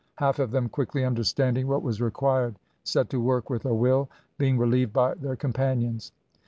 Half of them quickly understanding what was required set to work with a will, being relieved by their companions.